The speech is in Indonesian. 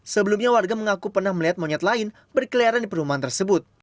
sebelumnya warga mengaku pernah melihat monyet lain berkeliaran di perumahan tersebut